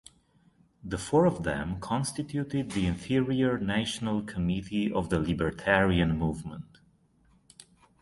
The four of them constituted the interior national committee of the Libertarian Movement.